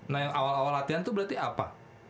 nah yang awal awal latihan tuh berarti apa